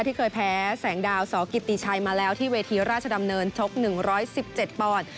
ที่เคยแพ้แสงดาวสกิติชัยมาแล้วที่เวทีราชดำเนินชก๑๑๗ปอนด์